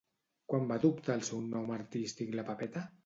Quan va adoptar el seu nom artístic la Pepeta?